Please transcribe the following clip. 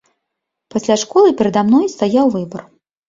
Пасля школы перада мной стаяў выбар.